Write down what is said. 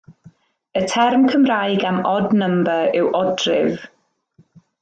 Y term Cymraeg am ‘odd number' yw odrif.